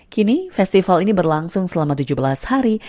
kini festival ini berlangsung selama tujuh belas hari